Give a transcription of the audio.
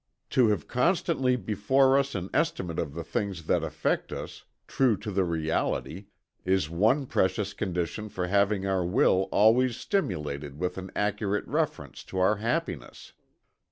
To have constantly before us an estimate of the things that affect us, true to the reality, is one precious condition for having our will always stimulated with an accurate reference to our happiness.